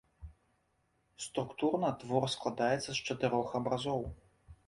Структурна твор складаецца з чатырох абразоў.